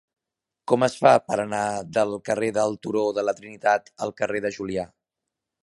Com es fa per anar del carrer del Turó de la Trinitat al carrer de Julià?